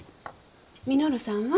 稔さんは？